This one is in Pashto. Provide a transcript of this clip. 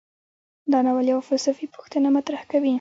دا ناول یوه فلسفي پوښتنه مطرح کوي.